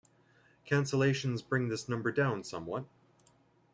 Cancellations bring this number down somewhat.